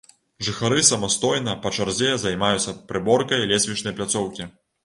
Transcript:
Жыхары самастойна, па чарзе, займаюцца прыборкай лесвічнай пляцоўкі.